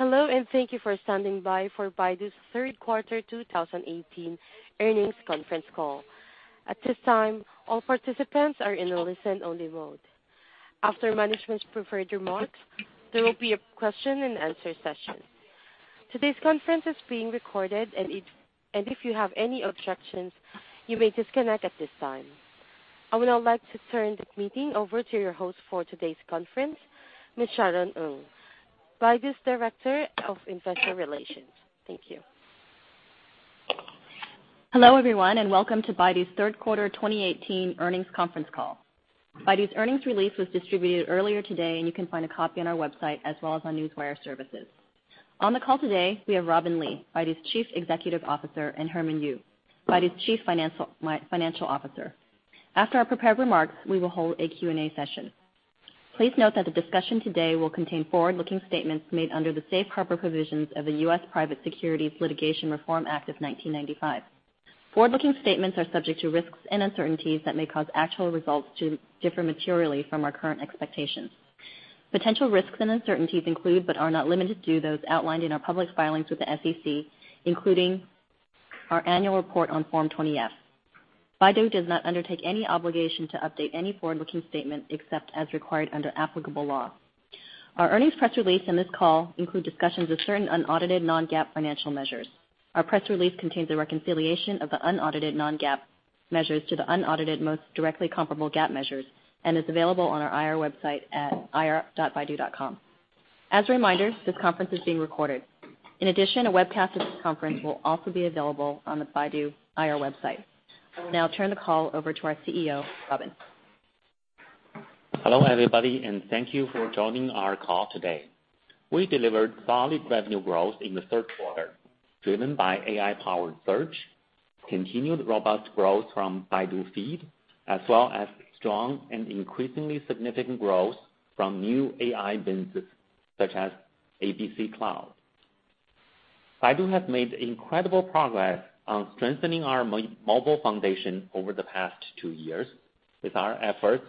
Hello. Thank you for standing by for Baidu's third quarter 2018 earnings conference call. At this time, all participants are in a listen-only mode. After management's prepared remarks, there will be a question and answer session. Today's conference is being recorded. If you have any objections, you may disconnect at this time. I would now like to turn the meeting over to your host for today's conference, Ms. Sharon Ng, Baidu's Director of Investor Relations. Thank you. Hello, everyone. Welcome to Baidu's third quarter 2018 earnings conference call. Baidu's earnings release was distributed earlier today. You can find a copy on our website as well as on Newswire services. On the call today, we have Robin Li, Baidu's Chief Executive Officer, and Herman Yu, Baidu's Chief Financial Officer. After our prepared remarks, we will hold a Q&A session. Please note that the discussion today will contain forward-looking statements made under the Safe Harbor Provisions of the U.S. Private Securities Litigation Reform Act of 1995. Forward-looking statements are subject to risks and uncertainties that may cause actual results to differ materially from our current expectations. Potential risks and uncertainties include, but are not limited to, those outlined in our public filings with the SEC, including our annual report on Form 20-F. Baidu does not undertake any obligation to update any forward-looking statement except as required under applicable law. Our earnings press release and this call include discussions of certain unaudited non-GAAP financial measures. Our press release contains the reconciliation of the unaudited non-GAAP measures to the unaudited most directly comparable GAAP measures and is available on our IR website at ir.baidu.com. As a reminder, this conference is being recorded. A webcast of this conference will also be available on the Baidu IR website. I will now turn the call over to our CEO, Robin. Hello, everybody. Thank you for joining our call today. We delivered solid revenue growth in the third quarter, driven by AI-powered search, continued robust growth from Baidu Feed, as well as strong and increasingly significant growth from new AI businesses such as ABC Cloud. Baidu has made incredible progress on strengthening our mobile foundation over the past two years with our efforts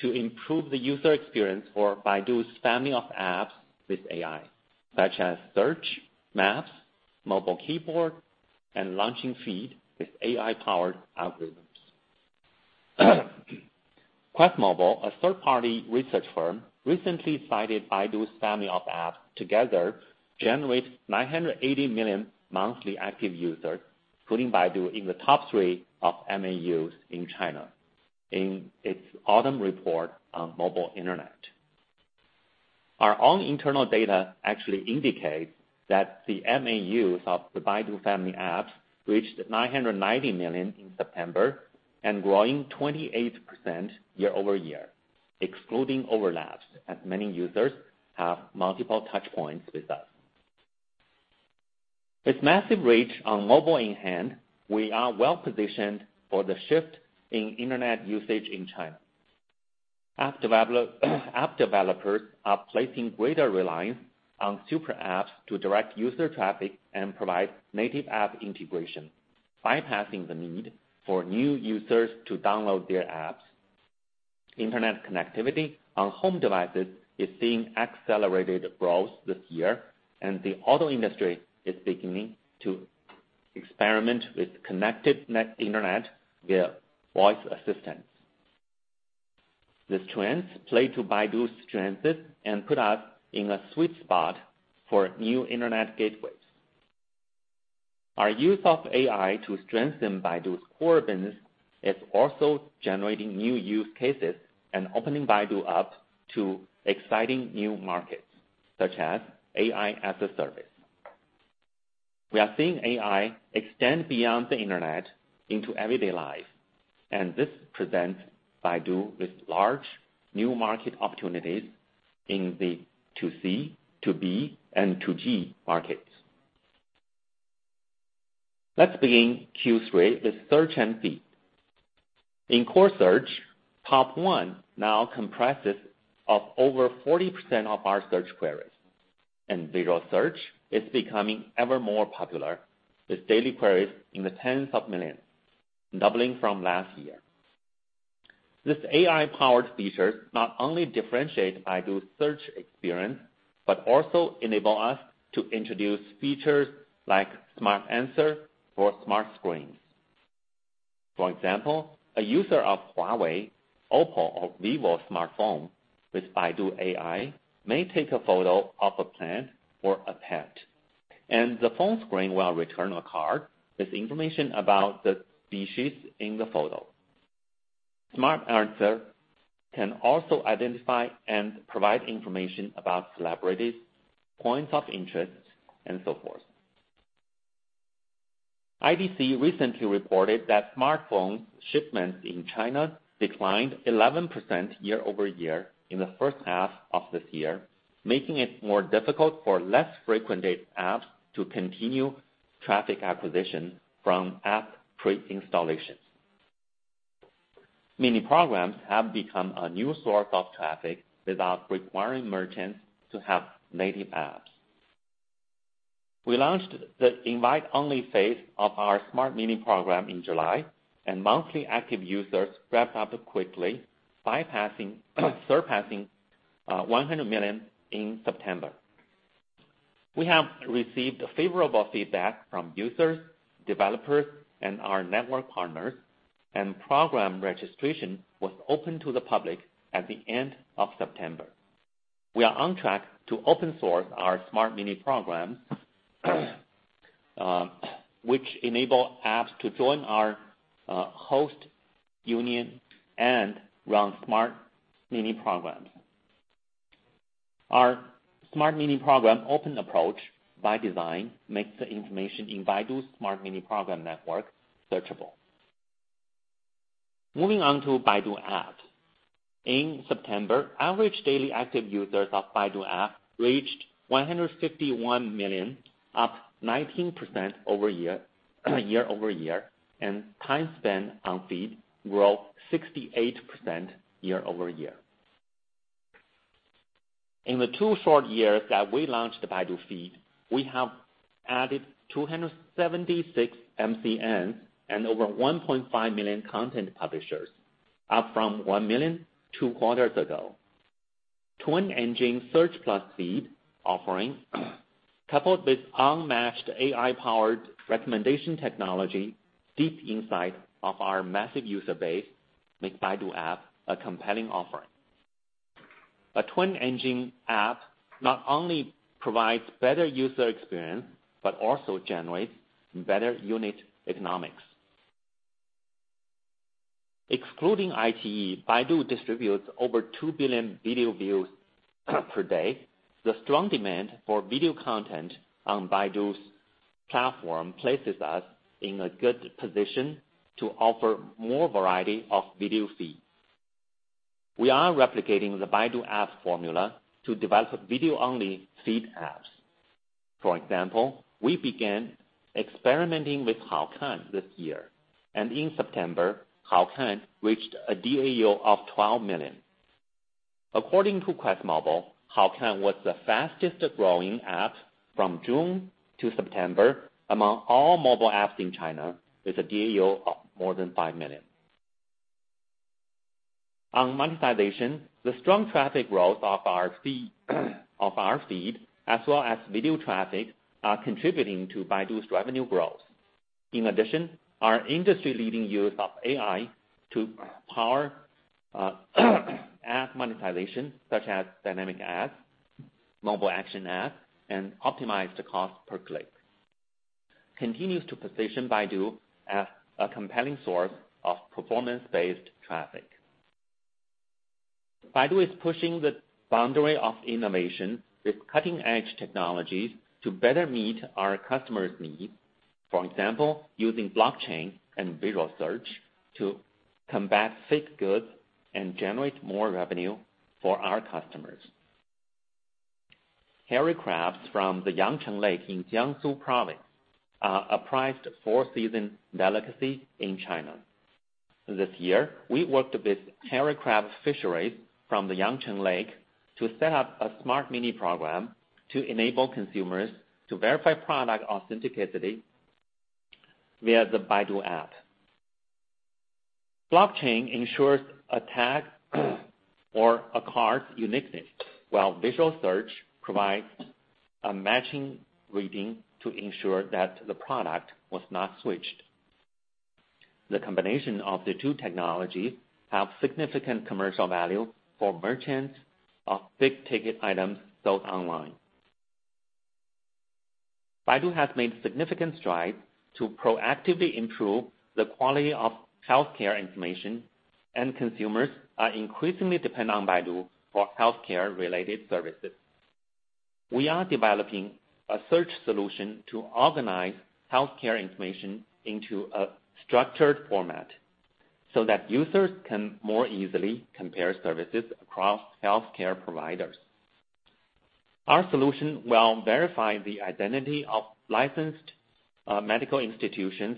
to improve the user experience for Baidu's family of apps with AI, such as Search, Maps, Mobile Keyboard, and launching Feed with AI-powered algorithms. QuestMobile, a third-party research firm, recently cited Baidu's family of apps together generate 980 million monthly active users, putting Baidu in the top 3 of MAUs in China in its autumn report on mobile internet. Our own internal data actually indicates that the MAUs of the Baidu family apps reached 990 million in September and growing 28% year-over-year, excluding overlaps, as many users have multiple touchpoints with us. With massive reach on mobile in hand, we are well positioned for the shift in internet usage in China. App developers are placing greater reliance on super apps to direct user traffic and provide native app integration, bypassing the need for new users to download their apps. Internet connectivity on home devices is seeing accelerated growth this year, and the auto industry is beginning to experiment with connected internet via voice assistance. These trends play to Baidu's strengths and put us in a sweet spot for new internet gateways. Our use of AI to strengthen Baidu's core business is also generating new use cases and opening Baidu up to exciting new markets, such as AI as a service. We are seeing AI extend beyond the internet into everyday life, and this presents Baidu with large new market opportunities in the To C, To B, and To G markets. Let's begin Q3 with Search and Feed. In core search, top one now comprises over 40% of our search queries, and visual search is becoming ever more popular with daily queries in the tens of millions, doubling from last year. These AI-powered features not only differentiate Baidu's search experience but also enable us to introduce features like Smart Answer for smart screens. For example, a user of Huawei, OPPO, or Vivo smartphone with Baidu AI may take a photo of a plant or a pet, and the phone screen will return a card with information about the species in the photo. Smart Answer can also identify and provide information about celebrities, points of interest, and so forth. IDC recently reported that smartphone shipments in China declined 11% year-over-year in the first half of this year, making it more difficult for less frequented apps to continue traffic acquisition from app pre-installation. Mini programs have become a new source of traffic without requiring merchants to have native apps. We launched the invite-only phase of our Smart Mini Program in July, and monthly active users ramped up quickly, surpassing 100 million in September. We have received favorable feedback from users, developers, and our network partners. Program registration was open to the public at the end of September. We are on track to open-source our Smart Mini Program, which enable apps to join our host union and run Smart Mini Programs. Our Smart Mini Program open approach by design makes the information in Baidu's Smart Mini Program network searchable. Moving on to Baidu App. In September, average daily active users of Baidu App reached 151 million, up 19% year-over-year, and time spent on Feed grew 68% year-over-year. In the two short years that we launched the Baidu Feed, we have added 276 MCN and over 1.5 million content publishers, up from 1 million two quarters ago. Twin engine search plus feed offering, coupled with unmatched AI-powered recommendation technology, deep insight of our massive user base, make Baidu App a compelling offering. A twin engine app not only provides better user experience, but also generates better unit economics. Excluding iQIYI, Baidu distributes over 2 billion video views per day. The strong demand for video content on Baidu's platform places us in a good position to offer more variety of video feeds. We are replicating the Baidu App formula to develop video-only feed apps. For example, we began experimenting with Haokan this year, and in September, Haokan reached a DAU of 12 million. According to QuestMobile, Haokan was the fastest-growing app from June to September among all mobile apps in China, with a DAU of more than five million. On monetization, the strong traffic growth of our feed as well as video traffic are contributing to Baidu's revenue growth. In addition, our industry-leading use of AI to power app monetization, such as dynamic ads, mobile action ads, and optimize the cost per click, continues to position Baidu as a compelling source of performance-based traffic. Baidu is pushing the boundary of innovation with cutting-edge technologies to better meet our customers' needs. For example, using blockchain and visual search to combat fake goods and generate more revenue for our customers. Hairy crabs from the Yangcheng Lake in Jiangsu Province are a prized four-season delicacy in China. This year, we worked with hairy crab fisheries from the Yangcheng Lake to set up a Smart Mini Program to enable consumers to verify product authenticity via the Baidu App. Blockchain ensures a tag or a card's uniqueness, while visual search provides a matching reading to ensure that the product was not switched. The combination of the two technologies have significant commercial value for merchants of big-ticket items sold online. Baidu has made significant strides to proactively improve the quality of healthcare information, and consumers are increasingly dependent on Baidu for healthcare-related services. We are developing a search solution to organize healthcare information into a structured format so that users can more easily compare services across healthcare providers. Our solution will verify the identity of licensed medical institutions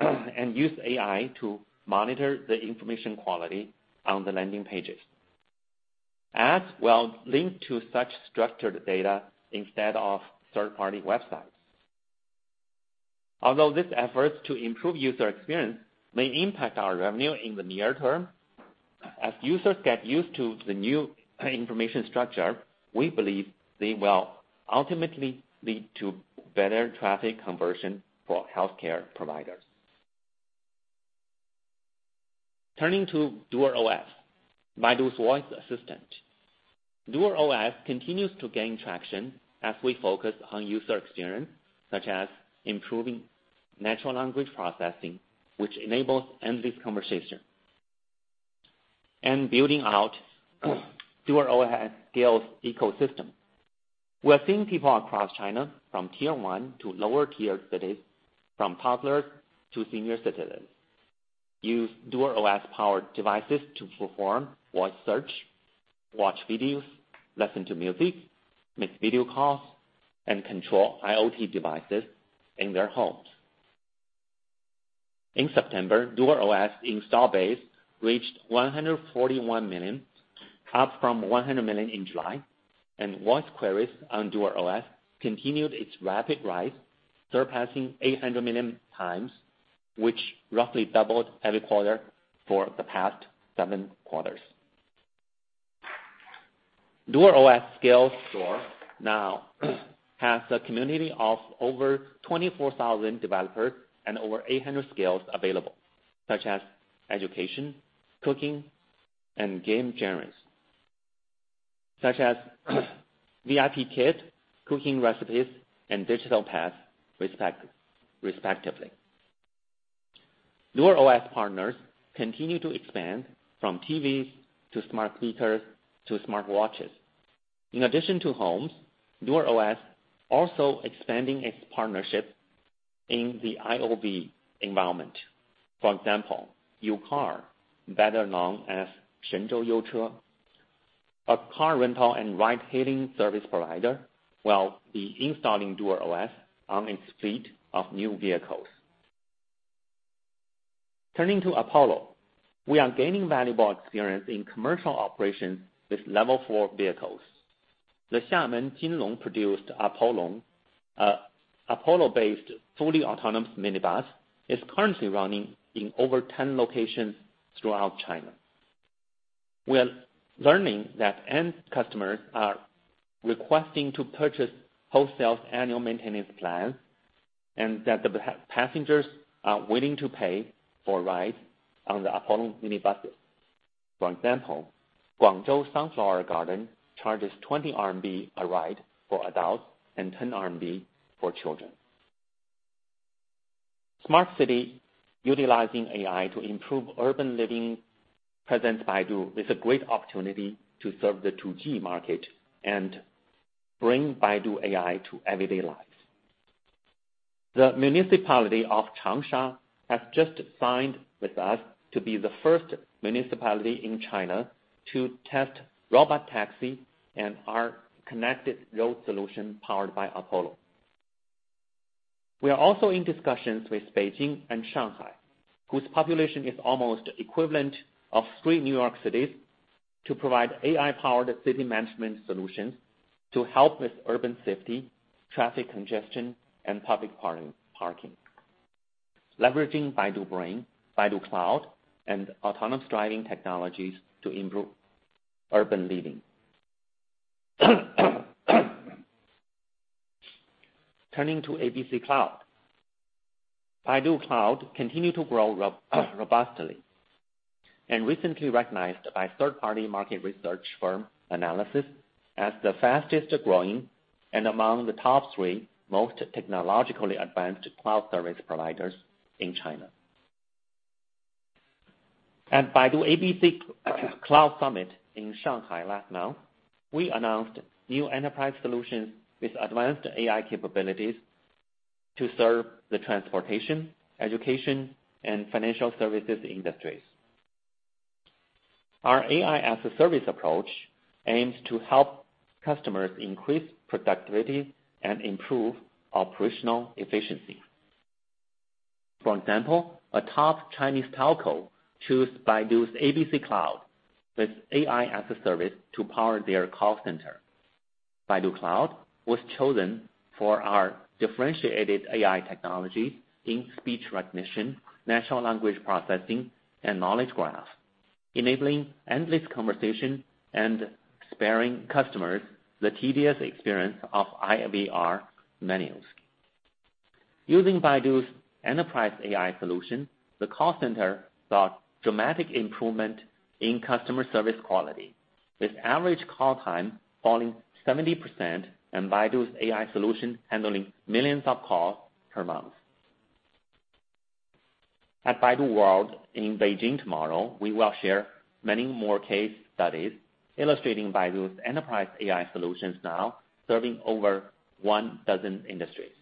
and use AI to monitor the information quality on the landing pages. Ads will link to such structured data instead of third-party websites. Although these efforts to improve user experience may impact our revenue in the near term, as users get used to the new information structure, we believe they will ultimately lead to better traffic conversion for healthcare providers. Turning to DuerOS, Baidu's voice assistant. DuerOS continues to gain traction as we focus on user experience, such as improving natural language processing, which enables endless conversation, and building out DuerOS skills ecosystem. We are seeing people across China from tier 1 to lower tier cities, from toddlers to senior citizens, use DuerOS-powered devices to perform voice search, watch videos, listen to music, make video calls, and control IoT devices in their homes. In September, DuerOS install base reached 141 million, up from 100 million in July, and voice queries on DuerOS continued its rapid rise, surpassing 800 million times, which roughly doubled every quarter for the past seven quarters. DuerOS skill store now has a community of over 24,000 developers and over 800 skills available, such as education, cooking, and game genres, such as VIPKid, cooking recipes, and digital pets, respectively. DuerOS partners continue to expand from TVs to smart speakers to smart watches. In addition to homes, DuerOS also expanding its partnership in the IoV environment. For example, UCAR, better known as Shenzhou Zhuanche, a car rental and ride-hailing service provider, will be installing DuerOS on its fleet of new vehicles. Turning to Apollo, we are gaining valuable experience in commercial operations with level 4 vehicles. The Xiamen King Long-produced Apollo-based fully autonomous minibus is currently running in over 10 locations throughout China. We're learning that end customers are requesting to purchase wholesale annual maintenance plans and that the passengers are willing to pay for rides on the Apollo minibus. For example, Million Sunflower Garden charges 20 RMB a ride for adults and 10 RMB for children. Smart city utilizing AI to improve urban living presents Baidu with a great opportunity to serve the To G market and bring Baidu AI to everyday life. The municipality of Changsha has just signed with us to be the first municipality in China to test robot taxi and our connected road solution powered by Apollo. We are also in discussions with Beijing and Shanghai, whose population is almost equivalent of three New York Cities, to provide AI-powered city management solutions to help with urban safety, traffic congestion, and public parking, leveraging Baidu Brain, Baidu Cloud, and autonomous driving technologies to improve urban living. Turning to ABC Cloud. Baidu Cloud continue to grow robustly and recently recognized by third-party market research firm Analysys Mason as the fastest-growing and among the top three most technologically advanced cloud service providers in China. At Baidu ABC Cloud Summit in Shanghai last month, we announced new enterprise solutions with advanced AI capabilities to serve the transportation, education, and financial services industries. Our AI as a service approach aims to help customers increase productivity and improve operational efficiency. For example, a top Chinese telco choose Baidu's ABC Cloud with AI as a service to power their call center. Baidu Cloud was chosen for our differentiated AI technology in speech recognition, natural language processing, and knowledge graphs, enabling endless conversation and sparing customers the tedious experience of IVR menus. Using Baidu's enterprise AI solution, the call center saw dramatic improvement in customer service quality, with average call time falling 70% and Baidu's AI solution handling millions of calls per month. At Baidu World in Beijing tomorrow, we will share many more case studies illustrating Baidu's enterprise AI solutions now serving over one dozen industries.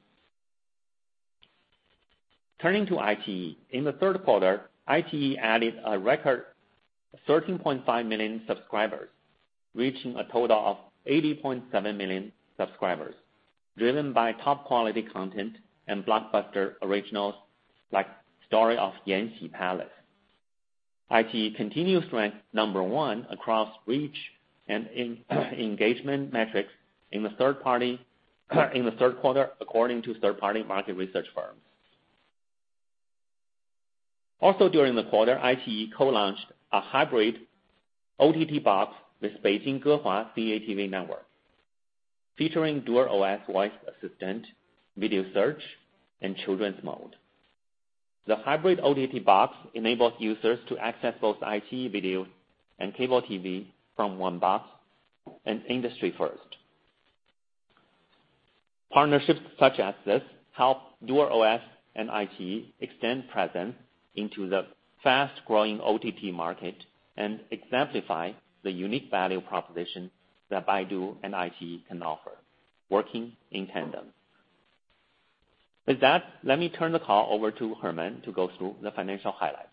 Turning to iQIYI. In the third quarter, iQIYI added a record 13.5 million subscribers, reaching a total of 80.7 million subscribers, driven by top-quality content and blockbuster originals like "Story of Yanxi Palace." iQIYI continues to rank number one across reach and engagement metrics in the third quarter, according to third-party market research firms. Also during the quarter, iQIYI co-launched a hybrid OTT box with Beijing Gehua CATV Network, featuring DuerOS voice assistant, video search, and children's mode. The hybrid OTT box enables users to access both iQIYI video and cable TV from one box, an industry first. Partnerships such as this help DuerOS and iQIYI extend presence into the fast-growing OTT market and exemplify the unique value proposition that Baidu and iQIYI can offer working in tandem. With that, let me turn the call over to Herman to go through the financial highlights.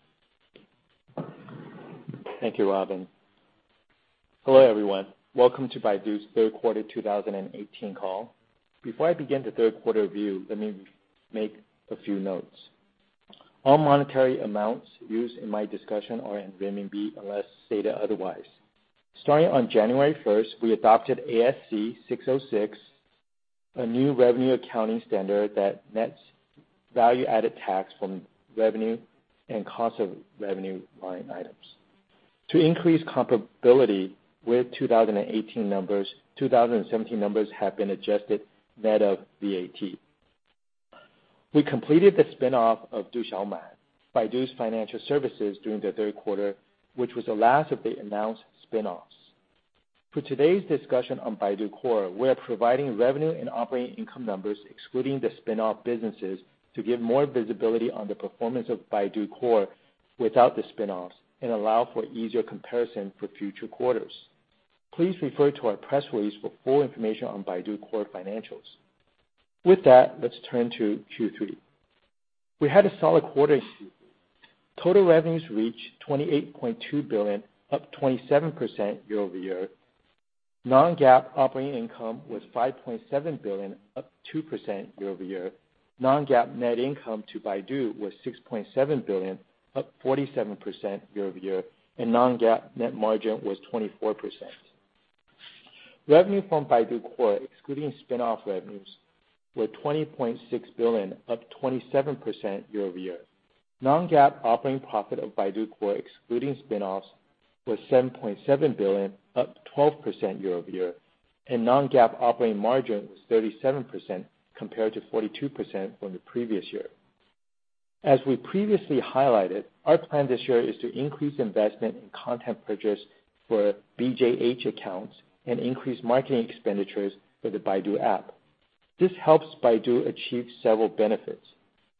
Thank you, Robin. Hello, everyone. Welcome to Baidu's third quarter 2018 call. Before I begin the third quarter view, let me make a few notes. All monetary amounts used in my discussion are in renminbi unless stated otherwise. Starting on January 1st, we adopted ASC 606, a new revenue accounting standard that nets value-added tax from revenue and cost of revenue line items. To increase comparability with 2018 numbers, 2017 numbers have been adjusted net of VAT. We completed the spin-off of Du Xiaoman, Baidu's financial services, during the third quarter, which was the last of the announced spin-offs. For today's discussion on Baidu Core, we're providing revenue and operating income numbers excluding the spin-off businesses to give more visibility on the performance of Baidu Core without the spin-offs and allow for easier comparison for future quarters. Please refer to our press release for full information on Baidu Core financials. With that, let's turn to Q3. We had a solid quarter. Total revenues reached 28.2 billion, up 27% year-over-year. Non-GAAP operating income was 5.7 billion, up 2% year-over-year. Non-GAAP net income to Baidu was 6.7 billion, up 47% year-over-year, and non-GAAP net margin was 24%. Revenue from Baidu Core, excluding spin-off revenues, were 20.6 billion, up 27% year-over-year. Non-GAAP operating profit of Baidu Core, excluding spin-offs, was 7.7 billion, up 12% year-over-year, and non-GAAP operating margin was 37% compared to 42% from the previous year. As we previously highlighted, our plan this year is to increase investment in content purchase for BJH accounts and increase marketing expenditures for the Baidu App. This helps Baidu achieve several benefits.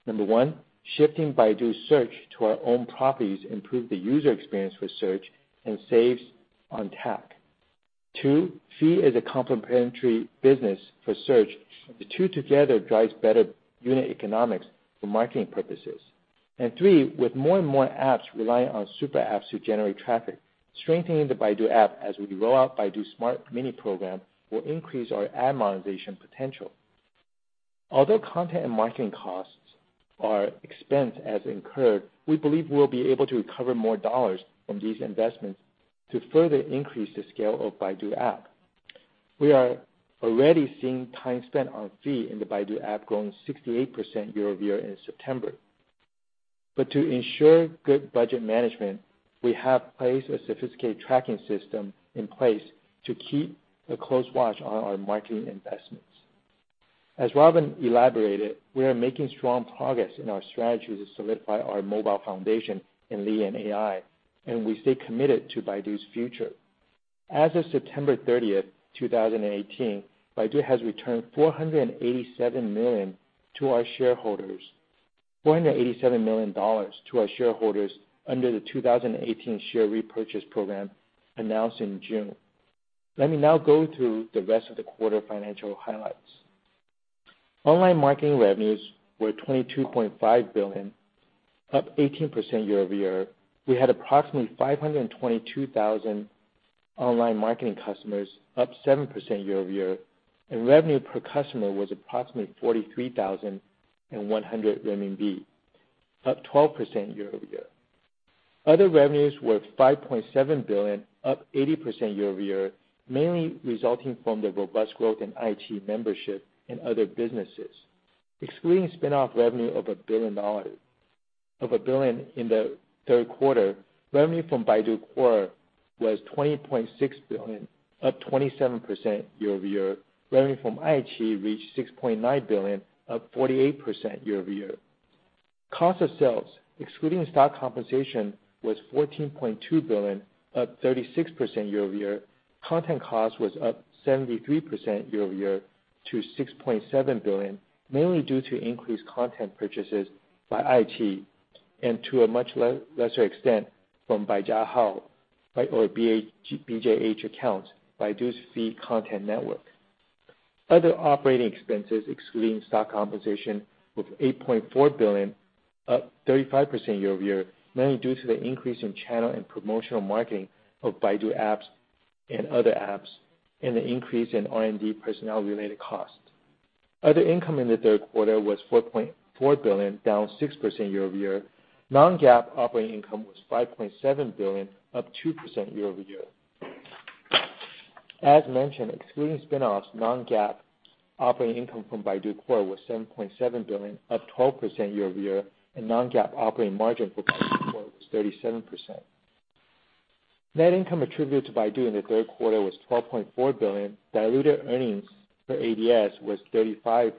Number one, shifting Baidu's search to our own properties improve the user experience with search and saves on TAC. Two, Baidu Feed is a complementary business for search. The two together drives better unit economics for marketing purposes. Three, with more and more apps relying on super apps to generate traffic, strengthening the Baidu App as we roll out Baidu Smart Mini Program will increase our ad monetization potential. Although content and marketing costs are expensed as incurred, we believe we'll be able to recover more dollars from these investments to further increase the scale of Baidu App. We are already seeing time spent on Baidu Feed in the Baidu App growing 68% year-over-year in September. To ensure good budget management, we have placed a sophisticated tracking system in place to keep a close watch on our marketing investments. As Robin elaborated, we are making strong progress in our strategy to solidify our mobile foundation in IoT and AI, and we stay committed to Baidu's future. As of September 30th, 2018, Baidu has returned 487 million to our shareholders under the 2018 share repurchase program announced in June. Let me now go through the rest of the quarter financial highlights. Online marketing revenues were 22.5 billion, up 18% year-over-year. We had approximately 522,000 online marketing customers, up 7% year-over-year, and revenue per customer was approximately 43,100 RMB, up 12% year-over-year. Other revenues were 5.7 billion, up 80% year-over-year, mainly resulting from the robust growth in iQIYI membership and other businesses. Excluding spin-off revenue of CNY 1 billion in the third quarter, revenue from Baidu Core was 20.6 billion, up 27% year-over-year. Revenue from iQIYI reached 6.9 billion, up 48% year-over-year. Cost of sales, excluding stock compensation, was 14.2 billion, up 36% year-over-year. Content cost was up 73% year-over-year to 6.7 billion, mainly due to increased content purchases by iQIYI and to a much lesser extent from Baijiahao or BJH accounts, Baidu's fee content network. Other operating expenses excluding stock compensation was 8.4 billion, up 35% year-over-year, mainly due to the increase in channel and promotional marketing of Baidu apps and other apps and the increase in R&D personnel-related costs. Other income in the third quarter was 4.4 billion, down 6% year-over-year. Non-GAAP operating income was 5.7 billion, up 2% year-over-year. As mentioned, excluding spin-offs, non-GAAP operating income from Baidu Core was 7.7 billion, up 12% year-over-year, and non-GAAP operating margin for Baidu Core was 37%. Net income attributed to Baidu in the third quarter was 12.4 billion. Diluted earnings per ADS was 35.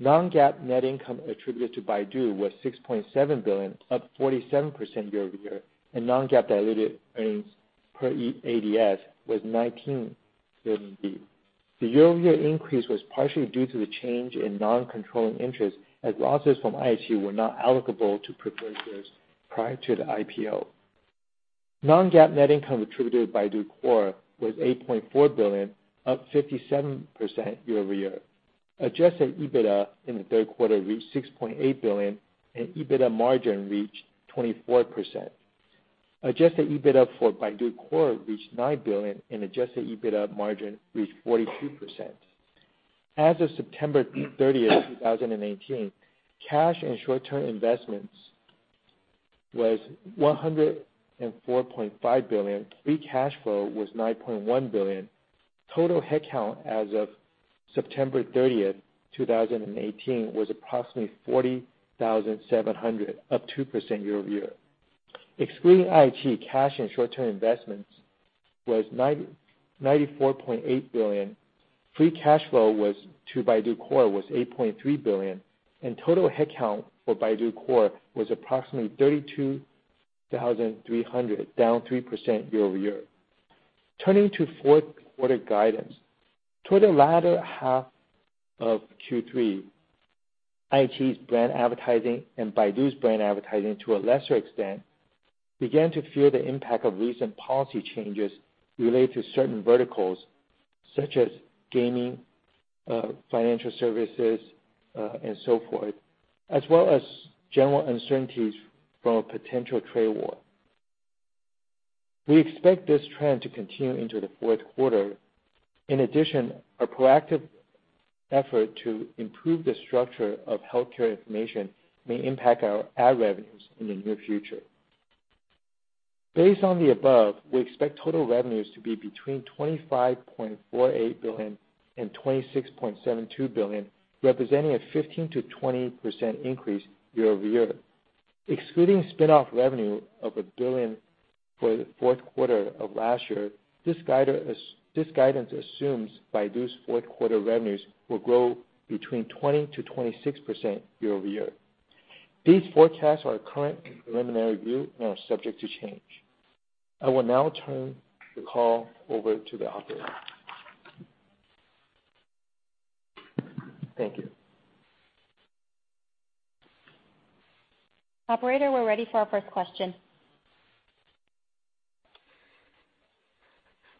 Non-GAAP net income attributed to Baidu was 6.7 billion, up 47% year-over-year, and non-GAAP diluted earnings per ADS was 19. The year-over-year increase was partially due to the change in non-controlling interest as losses from iQIYI were not allocable to preferred shares prior to the IPO. Non-GAAP net income attributed Baidu Core was CNY 8.4 billion, up 57% year-over-year. Adjusted EBITDA in the third quarter reached 6.8 billion, and EBITDA margin reached 24%. Adjusted EBITDA for Baidu Core reached 9 billion, and adjusted EBITDA margin reached 42%. As of September 30th, 2018, cash and short-term investments was 104.5 billion. Free cash flow was 9.1 billion. Total headcount as of September 30th, 2018, was approximately 40,700, up 2% year-over-year. Excluding iQIYI, cash and short-term investments was 94.8 billion. Free cash flow to Baidu Core was 8.3 billion, and total headcount for Baidu Core was approximately 32,300, down 3% year-over-year. Turning to fourth quarter guidance. Toward the latter half of Q3, iQIYI's brand advertising, and Baidu's brand advertising to a lesser extent, began to feel the impact of recent policy changes related to certain verticals such as gaming, financial services, and so forth, as well as general uncertainties from a potential trade war. We expect this trend to continue into the fourth quarter. In addition, our proactive effort to improve the structure of healthcare information may impact our ad revenues in the near future. Based on the above, we expect total revenues to be between 25.48 billion and 26.72 billion, representing a 15%-20% increase year-over-year. Excluding spin-off revenue of 1 billion for the fourth quarter of last year, this guidance assumes Baidu's fourth quarter revenues will grow between 20%-26% year-over-year. These forecasts are our current and preliminary view and are subject to change. I will now turn the call over to the operator. Thank you. Operator, we're ready for our first question.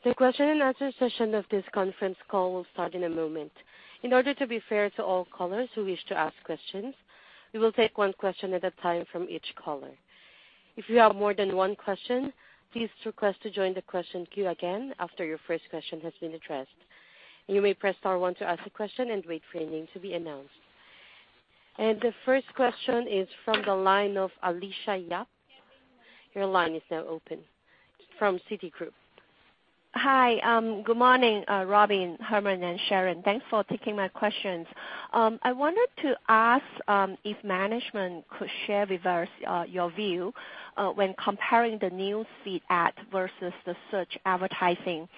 The question and answer session of this conference call will start in a moment. In order to be fair to all callers who wish to ask questions, we will take one question at a time from each caller. If you have more than one question, please request to join the question queue again after your first question has been addressed. You may press star one to ask a question and wait for your name to be announced. The first question is from the line of Alicia Yap. Your line is now open. From Citigroup. Hi. Good morning, Robin, Herman, and Sharon. Thanks for taking my questions. I wanted to ask if management could share with us your view when comparing the news feed ad versus the search advertising.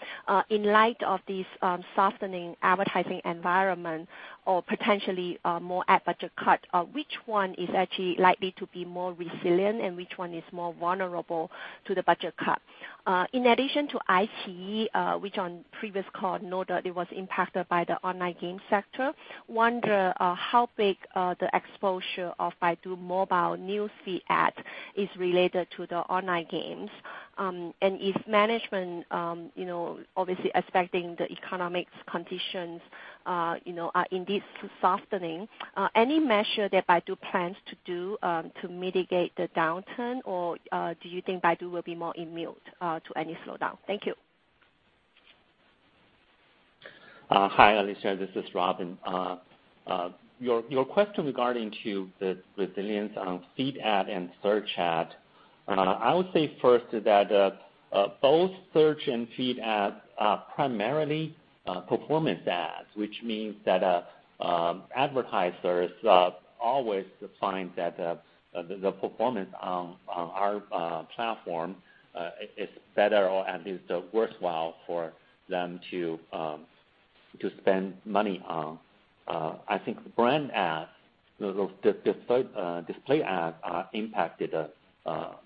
In light of this softening advertising environment or potentially more ad budget cut, which one is actually likely to be more resilient and which one is more vulnerable to the budget cut? In addition to iQIYI, which on previous call noted it was impacted by the online game sector, wonder how big the exposure of Baidu mobile news feed ad is related to the online games. If management, obviously expecting the economic conditions indeed softening, any measure that Baidu plans to do to mitigate the downturn, or do you think Baidu will be more immune to any slowdown? Thank you. Hi, Alicia. This is Robin. Your question regarding to the resilience on feed ad and search ad, I would say first is that both search and feed ads are primarily performance ads, which means that advertisers always find that the performance on our platform is better or at least worthwhile for them to spend money on. I think the brand ads, the display ads are impacted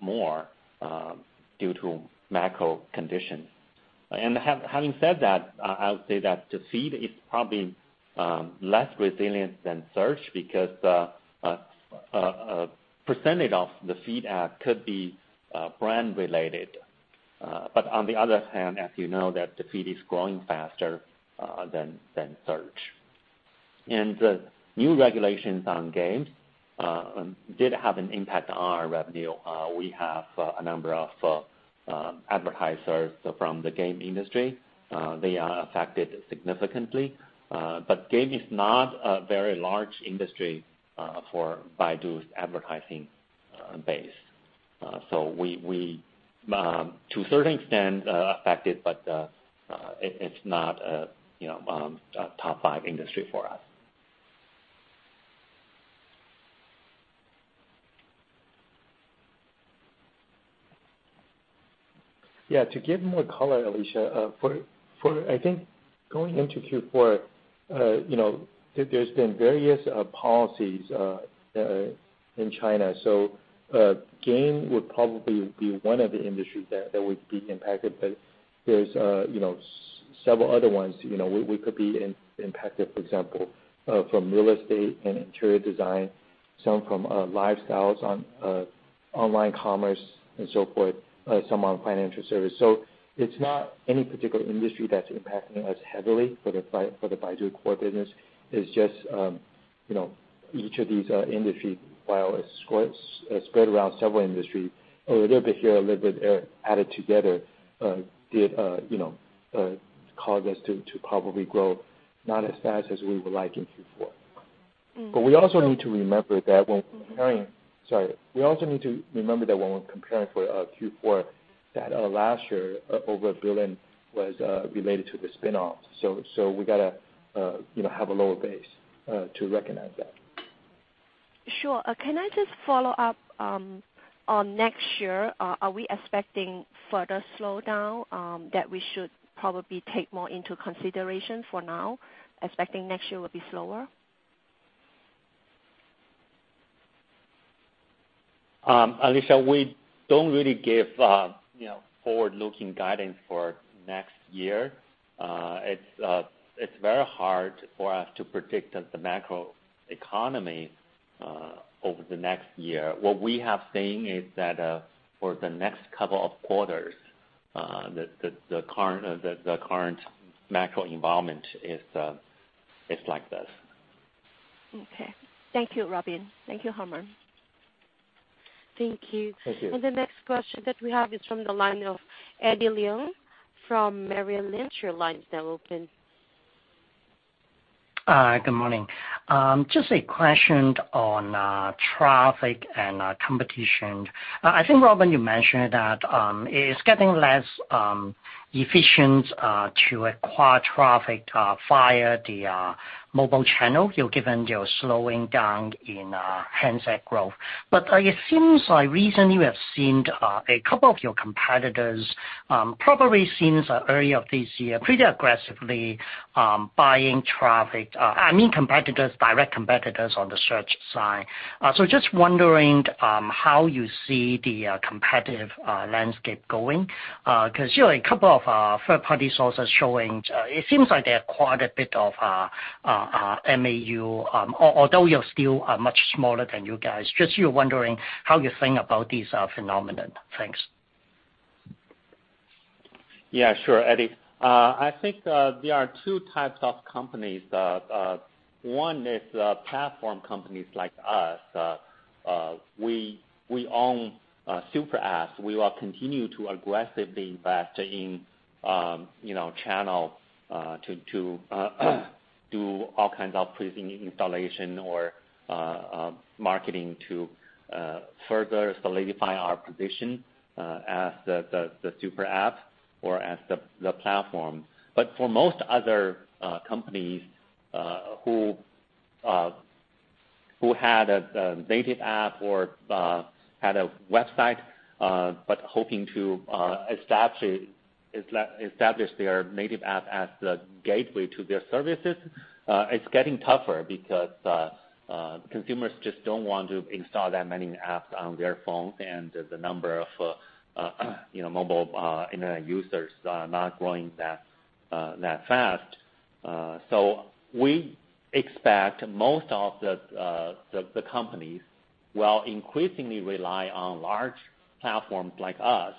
more due to macro conditions. Having said that, I would say that the feed is probably less resilient than search because a percentage of the feed ad could be brand related. On the other hand, as you know, that the feed is growing faster than search. The new regulations on games did have an impact on our revenue. We have a number of advertisers from the game industry. They are affected significantly. Game is not a very large industry for Baidu's advertising base. We, to a certain extent, are affected, but it's not a top five industry for us. To give more color, Alicia, I think going into Q4, there's been various policies in China. Game would probably be one of the industries that would be impacted, but there's several other ones we could be impacted, for example from real estate and interior design some from lifestyles, online commerce and so forth, some on financial service. It's not any particular industry that's impacting us heavily for the Baidu core business. It's just each of these industry, while it's spread around several industry, a little bit here, a little bit there, added together caused us to probably grow not as fast as we would like in Q4. We also need to remember that when comparing for Q4, that last year over 1 billion was related to the spin-offs. We got to have a lower base to recognize that. Sure. Can I just follow up on next year? Are we expecting further slowdown that we should probably take more into consideration for now, expecting next year will be slower? Alicia, we don't really give forward-looking guidance for next year. It's very hard for us to predict the macro economy over the next year. What we have seen is that for the next couple of quarters, the current macro environment is like this. Okay. Thank you, Robin. Thank you, Herman. Thank you. Thank you. The next question that we have is from the line of Eddie Leung from Merrill Lynch. Your line is now open. Hi, good morning. Just a question on traffic and competition. I think, Robin, you mentioned that it is getting less efficient to acquire traffic via the mobile channel, given your slowing down in handset growth. It seems like recently you have seen a couple of your competitors, probably since early of this year, pretty aggressively buying traffic. I mean competitors, direct competitors on the search side. Just wondering how you see the competitive landscape going. A couple of third-party sources showing it seems like they acquired a bit of MAU, although you are still much smaller than you guys. Just you are wondering how you think about this phenomenon. Thanks. Yeah, sure, Eddie. I think there are 2 types of companies. One is platform companies like us. We own super apps. We will continue to aggressively invest in channel to do all kinds of pre-installation or marketing to further solidify our position as the super app or as the platform. For most other companies who had a native app or had a website but hoping to establish their native app as the gateway to their services, it's getting tougher because consumers just don't want to install that many apps on their phones and the number of mobile Internet users are not growing that fast. We expect most of the companies will increasingly rely on large platforms like us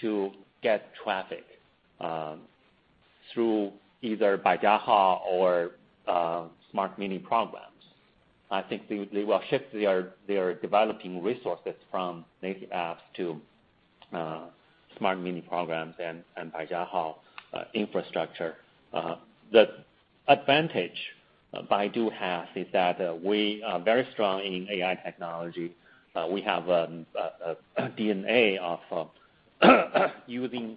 to get traffic through either Baijiahao or Smart Mini Programs. I think they will shift their developing resources from native apps to Smart Mini Programs and Baijiahao infrastructure. The advantage Baidu has is that we are very strong in AI technology. We have a DNA of using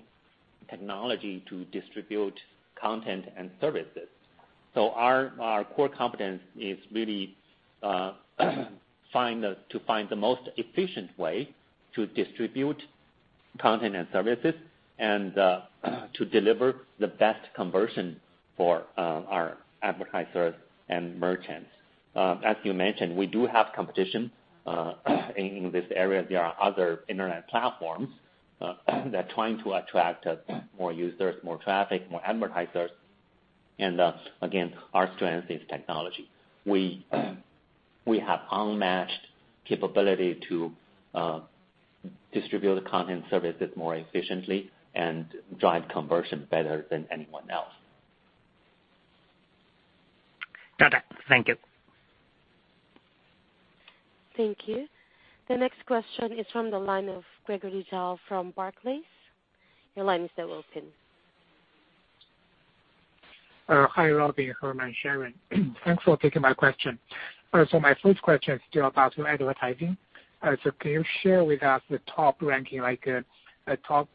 technology to distribute content and services. Our core competence is really to find the most efficient way to distribute content and services and to deliver the best conversion for our advertisers and merchants. As you mentioned, we do have competition in this area. There are other Internet platforms that are trying to attract more users, more traffic, more advertisers. Again, our strength is technology. We have unmatched capability to distribute the content services more efficiently and drive conversion better than anyone else. Got it. Thank you. Thank you. The next question is from the line of Gregory Zhao from Barclays. Your line is now open. Hi, Robin, Herman, Sharon. Thanks for taking my question. My first question is still about your advertising. Can you share with us the top ranking, like top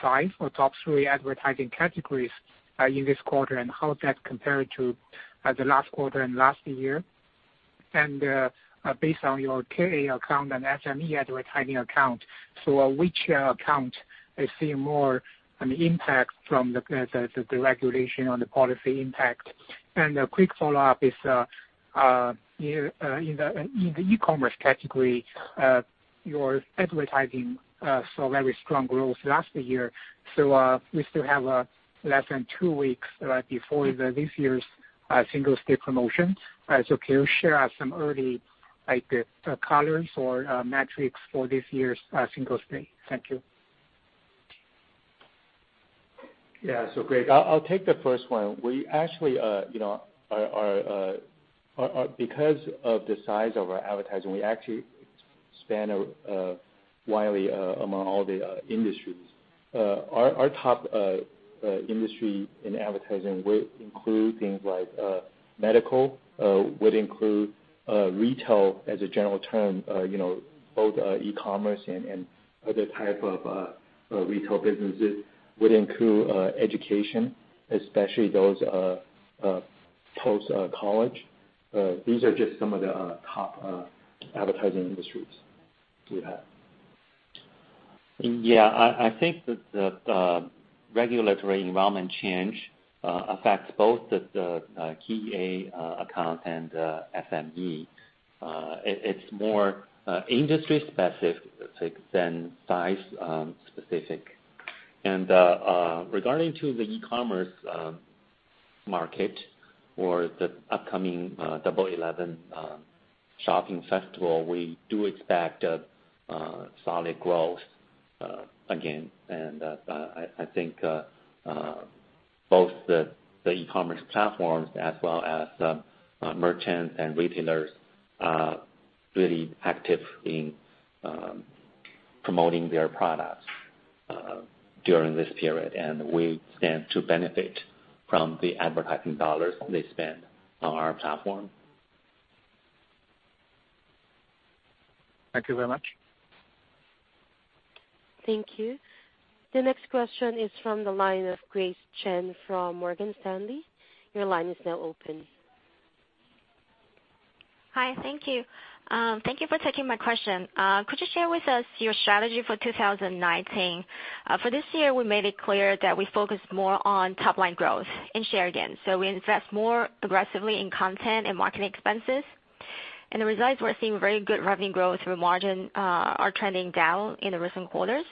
5 or top 3 advertising categories in this quarter, and how that compared to the last quarter and last year? Based on your KA account and SME advertising account, which account is seeing more an impact from the regulation on the policy impact? A quick follow-up is, in the e-commerce category, your advertising saw very strong growth last year. We still have less than 2 weeks right before this year's Singles' Day promotion. Can you share some early colors or metrics for this year's Singles' Day? Thank you. Yeah. Greg, I'll take the first one. Because of the size of our advertising, we actually span widely among all the industries. Our top industry in advertising would include things like medical, would include retail as a general term, both e-commerce and other type of retail businesses. Would include education, especially those post-college. These are just some of the top advertising industries we have. Yeah. I think that the regulatory environment change affects both the KA account and SME. It's more industry specific than size specific. Regarding to the e-commerce market or the upcoming Double Eleven shopping festival, we do expect solid growth again. I think both the e-commerce platforms, as well as the merchants and retailers are really active in promoting their products during this period. We stand to benefit from the advertising dollars they spend on our platform. Thank you very much. Thank you. The next question is from the line of Grace Chen from Morgan Stanley. Your line is now open. Hi. Thank you. Thank you for taking my question. Could you share with us your strategy for 2019? For this year, we made it clear that we focus more on top-line growth and share gains, we invest more aggressively in content and marketing expenses. The results, we are seeing very good revenue growth, the margin are trending down in the recent quarters.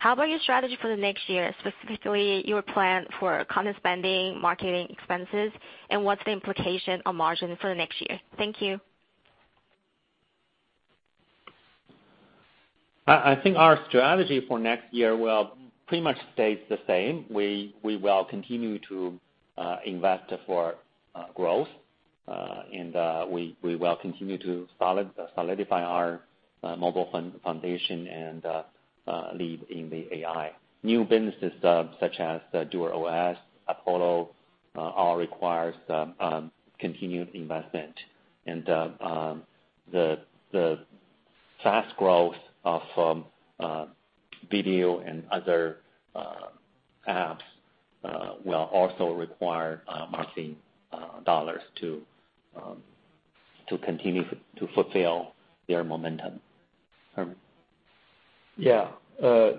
How about your strategy for the next year, specifically your plan for content spending, marketing expenses, and what is the implication on margin for next year? Thank you. I think our strategy for next year will pretty much stay the same. We will continue to invest for growth. We will continue to solidify our mobile foundation and lead in the AI. New businesses such as the DuerOS, Apollo, all requires continued investment. The fast growth of video and other apps will also require marketing dollars to continue to fulfill their momentum. Herman? Yeah.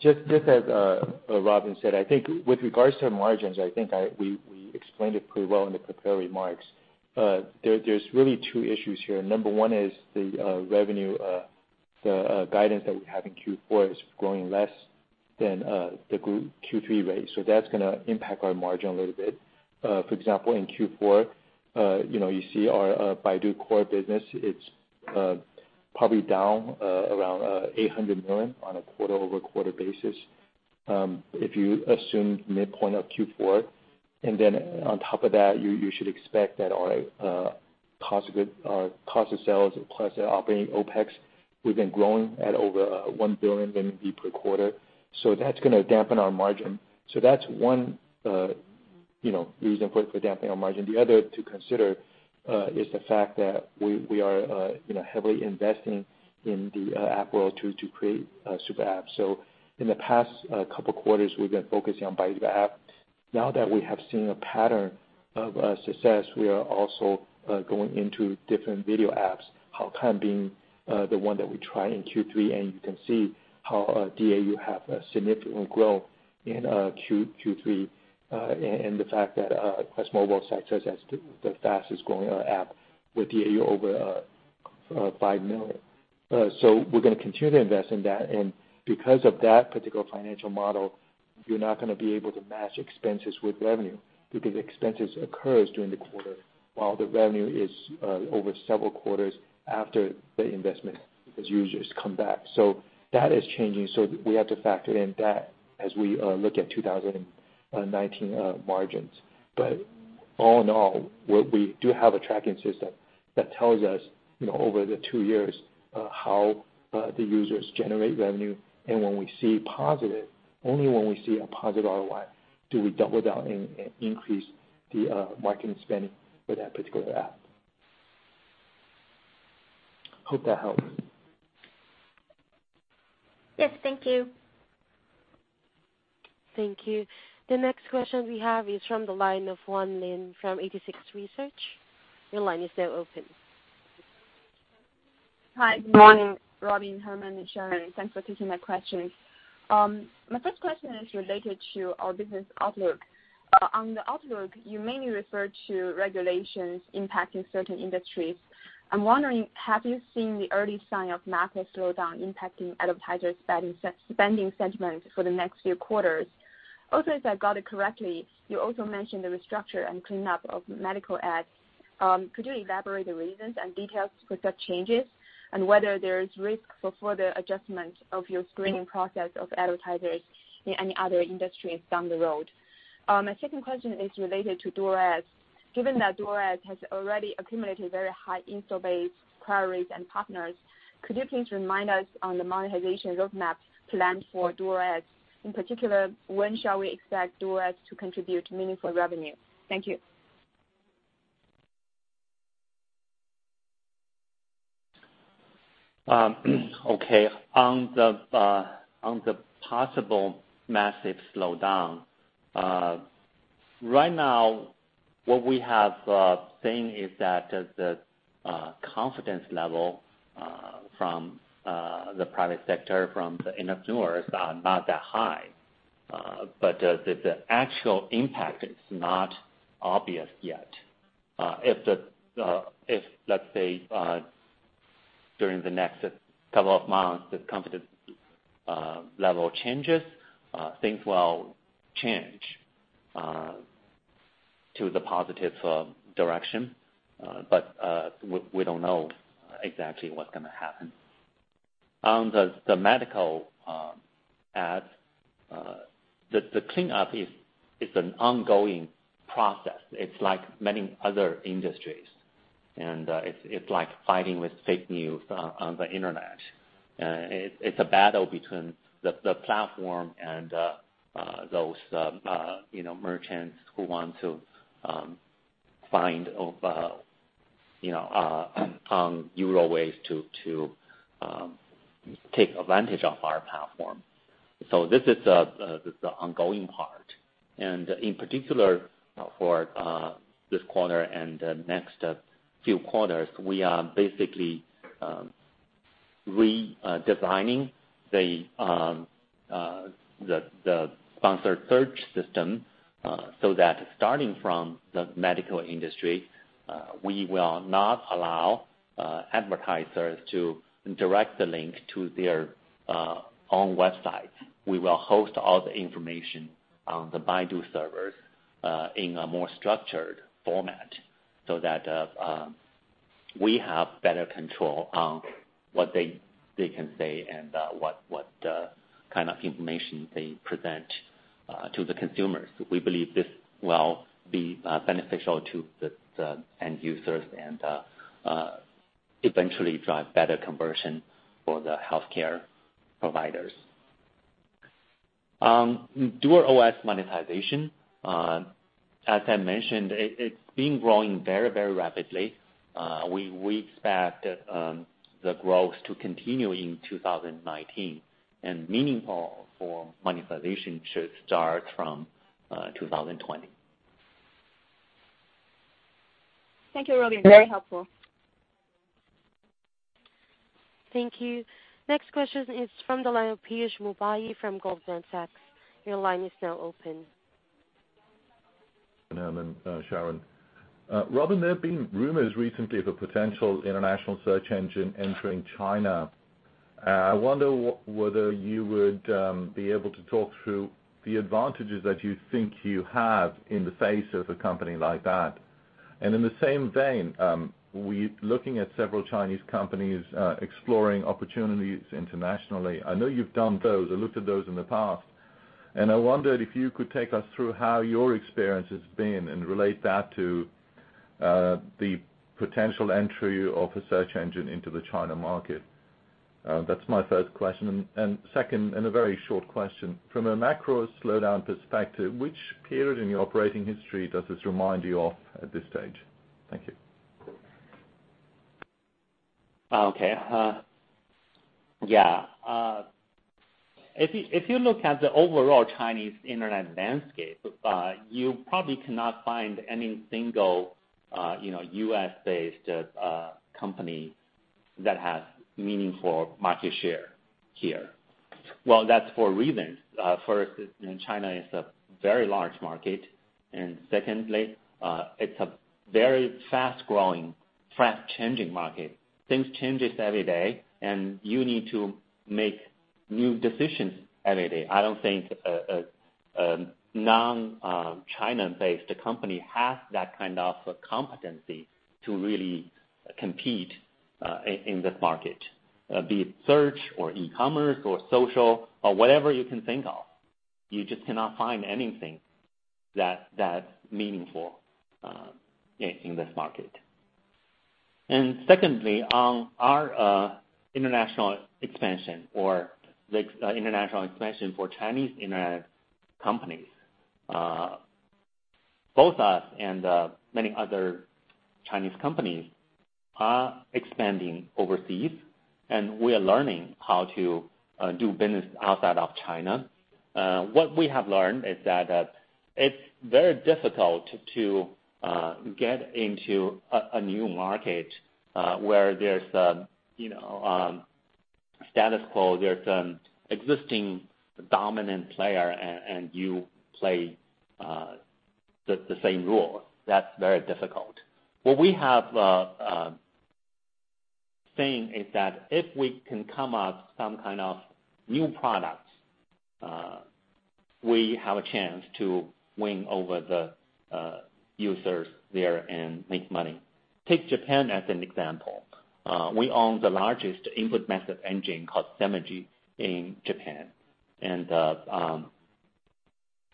Just as Robin said, I think with regards to margins, I think we explained it pretty well in the prepared remarks. There is really two issues here. Number one is the revenue, the guidance that we have in Q4 is growing less than the Q3 rate. That is going to impact our margin a little bit. For example, in Q4, you see our Baidu core business, it is probably down around 800 million on a quarter-over-quarter basis. If you assume midpoint of Q4, then on top of that, you should expect that our cost of sales plus operating OPEX, we have been growing at over 1 billion RMB per quarter. That is going to dampen our margin. That is one reason for dampening our margin. The other to consider is the fact that we are heavily investing in the app world to create super apps. In the past couple of quarters, we've been focusing on Baidu App. Now that we have seen a pattern of success, we are also going into different video apps, Haokan being the one that we try in Q3, and you can see how DAU have a significant growth in Q3. The fact that QuestMobile says that's the fastest growing app with DAU over 5 million. We're going to continue to invest in that, and because of that particular financial model, you're not going to be able to match expenses with revenue because expenses occurs during the quarter while the revenue is over several quarters after the investment, as users come back. That is changing. We have to factor in that as we look at 2019 margins. All in all, we do have a tracking system that tells us over the two years how the users generate revenue. When we see positive, only when we see a positive ROI, do we double down and increase the marketing spending for that particular app. Hope that helps. Yes, thank you. Thank you. The next question we have is from the line of Juan Lin from 86Research. Your line is now open. Hi, good morning, Robin, Herman, and Sharon. Thanks for taking my questions. My first question is related to our business outlook. On the outlook, you mainly referred to regulations impacting certain industries. Have you seen the early sign of macro slowdown impacting advertiser spending sentiment for the next few quarters? If I got it correctly, you also mentioned the restructure and cleanup of medical ADS. Could you elaborate the reasons and details for such changes, and whether there is risk for further adjustment of your screening process of advertisers in any other industries down the road? My second question is related to DuerOS. Given that DuerOS has already accumulated very high install base queries and partners, could you please remind us on the monetization roadmap planned for DuerOS? In particular, when shall we expect DuerOS to contribute meaningful revenue? Thank you. On the possible macro slowdown. Right now, what we have seen is that the confidence level from the private sector, from the entrepreneurs, are not that high. The actual impact is not obvious yet. If, let's say, during the next couple of months, the confidence level changes, things will change to the positive direction. We don't know exactly what's going to happen. On the medical ADS, the cleanup is an ongoing process. It's like many other industries, and it's like fighting with fake news on the Internet. It's a battle between the platform and those merchants who want to find other ways to take advantage of our platform. This is the ongoing part. In particular for this quarter and the next few quarters, we are basically redesigning the sponsored search system so that starting from the medical industry, we will not allow advertisers to direct the link to their own websites. We will host all the information on the Baidu servers in a more structured format so that we have better control on what they can say and what kind of information they present to the consumers. We believe this will be beneficial to the end users and eventually drive better conversion for the healthcare providers. DuerOS monetization. As I mentioned, it's been growing very rapidly. We expect the growth to continue in 2019, and meaningful for monetization should start from 2020. Thank you, Robin. Very helpful. Thank you. Next question is from the line of Piyush Mubayi from Goldman Sachs. Your line is now open. Good morning, Sharon. Robin, there have been rumors recently of a potential international search engine entering China. I wonder whether you would be able to talk through the advantages that you think you have in the face of a company like that. In the same vein, we are looking at several Chinese companies exploring opportunities internationally. I know you've done those. I looked at those in the past, and I wondered if you could take us through how your experience has been and relate that to the potential entry of a search engine into the China market. That's my first question. Second, a very short question. From a macro slowdown perspective, which period in your operating history does this remind you of at this stage? Thank you. Okay. If you look at the overall Chinese Internet landscape, you probably cannot find any single U.S.-based company that has meaningful market share here. Well, that's for a reason. First, China is a very large market, and secondly, it's a very fast-growing, fast-changing market. Things change every day, and you need to make new decisions every day. I don't think a non-China based company has that kind of competency to really compete in this market be it search or e-commerce or social or whatever you can think of. You just cannot find anything that's meaningful in this market. Secondly, on our international expansion or the international expansion for Chinese Internet companies, both us and many other Chinese companies are expanding overseas, and we are learning how to do business outside of China. What we have learned is that it's very difficult to get into a new market where there's status quo, there's existing dominant player, and you play the same role. That's very difficult. What we have seen is that if we can come up some kind of new products, we have a chance to win over the users there and make money. Take Japan as an example. We own the largest input method engine called Simeji in Japan.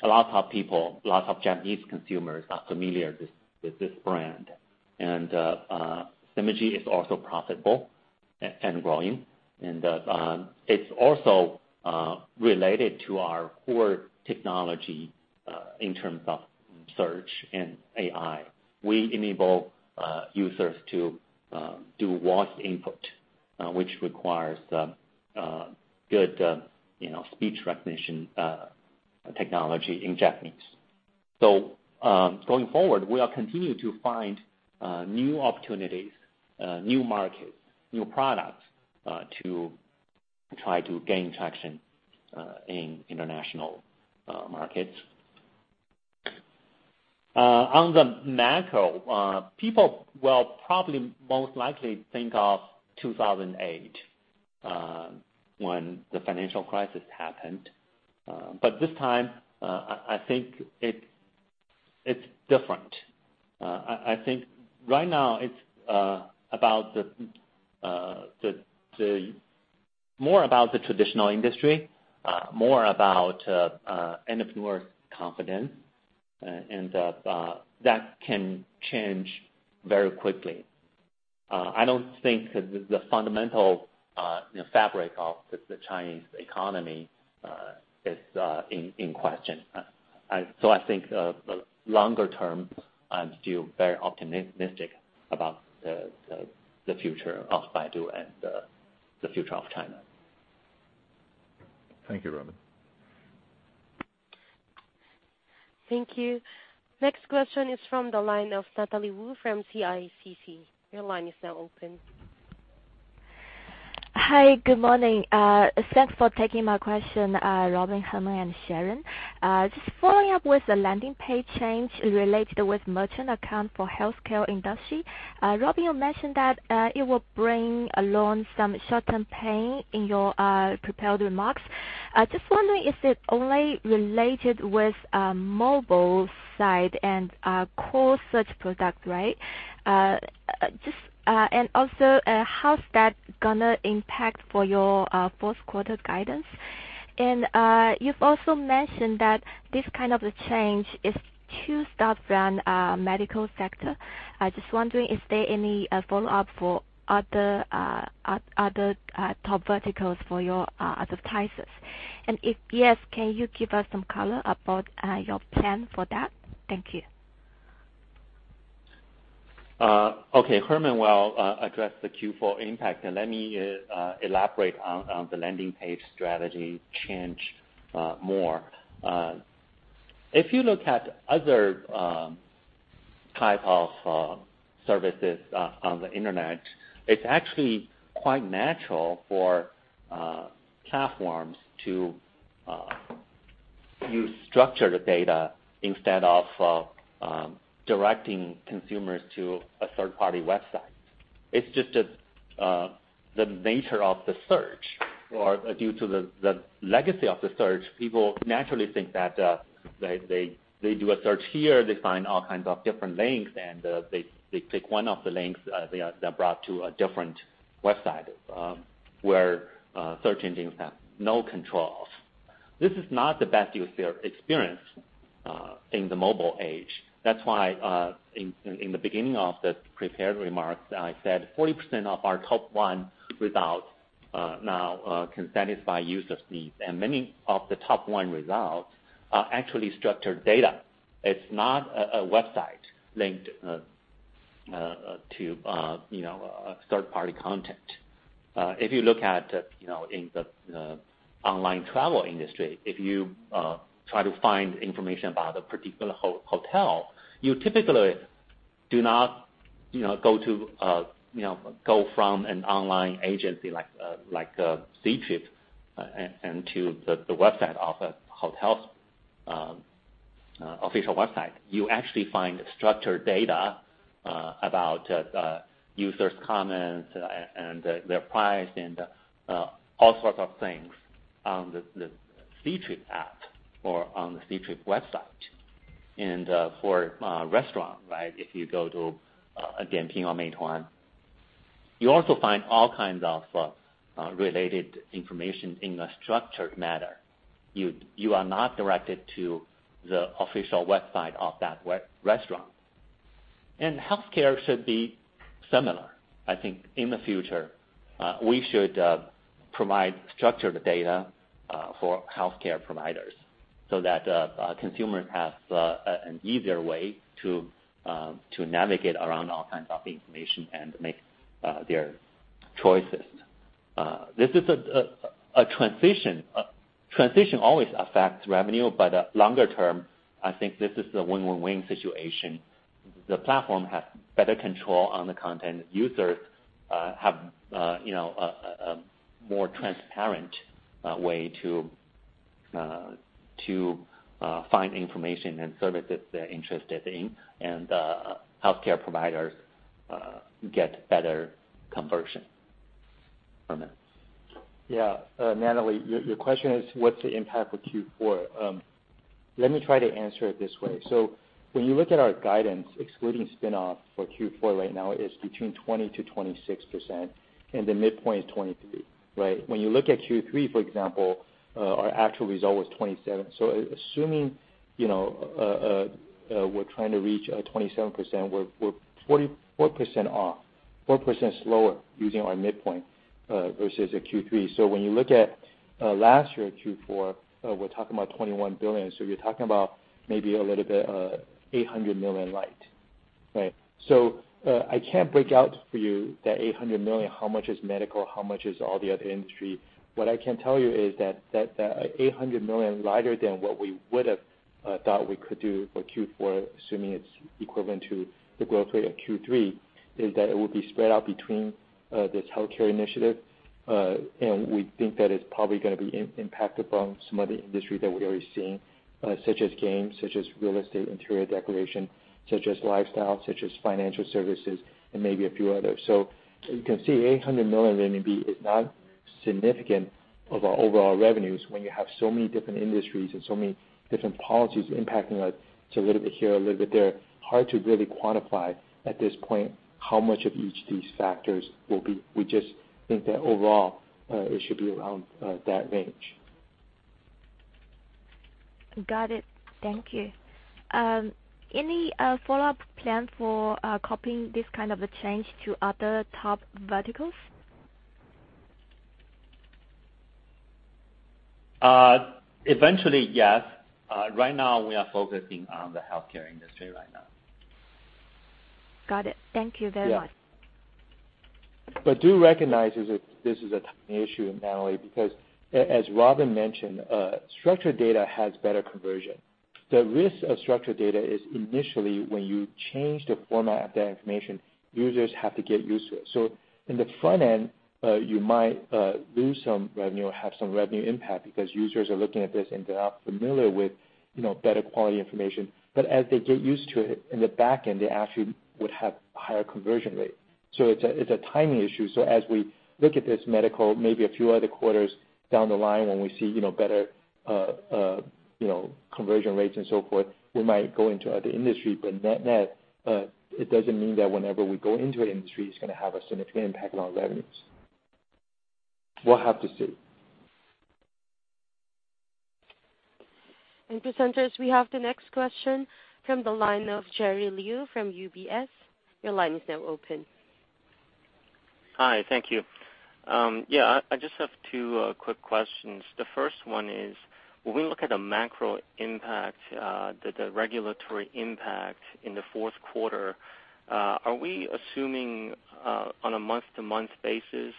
Lots of Japanese consumers are familiar with this brand. Simeji is also profitable and growing. It's also related to our core technology, in terms of search and AI. We enable users to do voice input, which requires good speech recognition technology in Japanese. Going forward, we will continue to find new opportunities, new markets, new products, to try to gain traction in international markets. On the macro, people will probably most likely think of 2008, when the financial crisis happened. This time, I think it's different. I think right now it's more about the traditional industry, more about entrepreneur confidence. That can change very quickly. I don't think the fundamental fabric of the Chinese economy is in question. I think longer term, I'm still very optimistic about the future of Baidu and the future of China. Thank you, Robin. Thank you. Next question is from the line of Natalie Wu from CICC. Your line is now open. Hi, good morning. Thanks for taking my question, Robin, Herman, and Sharon. Just following up with the landing page change related with merchant account for healthcare industry. Robin, you mentioned that it will bring along some short-term pain in your prepared remarks. Just wondering if it's only related with mobile side and core search product, right? Also, how is that going to impact for your fourth quarter guidance? You've also mentioned that this kind of change is to start from medical sector. Just wondering, is there any follow-up for other top verticals for your advertisers? If yes, can you give us some color about your plan for that? Thank you. Okay. Herman will address the Q4 impact. Let me elaborate on the landing page strategy change more. If you look at other type of services on the internet, it's actually quite natural for platforms to use structured data instead of directing consumers to a third-party website. It's just the nature of the search. Due to the legacy of the search, people naturally think that they do a search here, they find all kinds of different links, and they click one of the links, they are brought to a different website, where search engines have no control of. This is not the best user experience in the mobile age. That's why in the beginning of the prepared remarks, I said 40% of our top one results now can satisfy user needs. Many of the top one results are actually structured data. It's not a website linked to third-party content. If you look at in the online travel industry, if you try to find information about a particular hotel, you typically do not go from an online agency like Ctrip and to the website of a hotel's official website. You actually find structured data about users' comments and their price and all sorts of things on the Ctrip app or on the Ctrip website. For restaurant, if you go to Dianping or Meituan, you also find all kinds of related information in a structured manner. You are not directed to the official website of that restaurant. Healthcare should be similar. I think in the future, we should provide structured data for healthcare providers so that consumers have an easier way to navigate around all kinds of information and make their choices. This is a transition. Transition always affects revenue. Longer term, I think this is a win-win-win situation. The platform have better control on the content. Users have a more transparent way to find information and services they're interested in. Healthcare providers get better conversion. Yeah. Natalie, your question is what's the impact for Q4? Let me try to answer it this way. When you look at our guidance excluding spin-off for Q4 right now is between 20%-26%. The midpoint is 23%, right? When you look at Q3, for example, our actual result was 27%. Assuming, we're trying to reach a 27%, we're 4% off, 4% slower using our midpoint, versus at Q3. When you look at last year Q4, we're talking about 21 billion. You're talking about maybe a little bit, 800 million light, right? I can't break out for you that 800 million, how much is medical, how much is all the other industry. What I can tell you is that 800 million lighter than what we would've thought we could do for Q4, assuming it's equivalent to the growth rate of Q3, is that it would be spread out between this healthcare initiative. We think that it's probably gonna be impacted from some of the industry that we already seeing, such as games, such as real estate, interior decoration, such as lifestyle, such as financial services, and maybe a few others. You can see 800 million RMB is not significant of our overall revenues when you have so many different industries and so many different policies impacting us. It's a little bit here, a little bit there. Hard to really quantify at this point how much of each of these factors will be. We just think that overall, it should be around that range. Got it. Thank you. Any follow-up plan for copying this kind of a change to other top verticals? Eventually, yes. Right now we are focusing on the healthcare industry right now. Got it. Thank you very much. Yeah. Do recognize this is a timing issue, Natalie, because as Robin mentioned, structured data has better conversion. The risk of structured data is initially when you change the format of that information, users have to get used to it. In the front end, you might lose some revenue or have some revenue impact because users are looking at this and they are not familiar with better quality information. As they get used to it, in the back end they actually would have higher conversion rate. It's a timing issue. As we look at this medical, maybe a few other quarters down the line when we see better conversion rates and so forth, we might go into other industry. Net, it doesn't mean that whenever we go into an industry, it's gonna have a significant impact on revenues. We'll have to see. Presenters, we have the next question from the line of Jerry Liu from UBS. Your line is now open. Hi. Thank you. I just have two quick questions. The first one is, when we look at a macro impact, the regulatory impact in the fourth quarter, are we assuming, on a month-to-month basis,